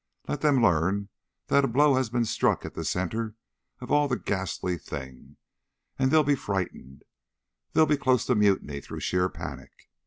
Let them learn that a blow has been struck at the center of all the ghastly thing, and they'll be frightened. They'll be close to mutiny through sheer panic.